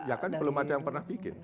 ya kan belum ada yang pernah bikin